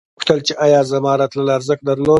ما وپوښتل چې ایا زما راتلل ارزښت درلود